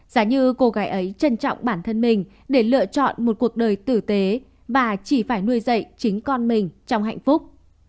giá như cô gái ấy trân trọng bản thân mình để lựa chọn một cuộc đời tử tế và chỉ phải nuôi dạy chính con mình trong hạnh phúc